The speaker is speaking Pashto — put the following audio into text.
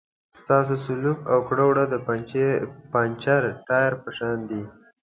ستاسو سلوک او کړه وړه د پنچر ټایر په شان دي.